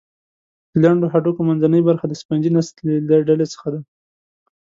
د لنډو هډوکو منځنۍ برخه د سفنجي نسج له ډلې څخه ده.